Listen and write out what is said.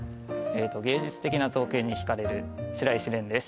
芸術的な造形にひかれる白石廉です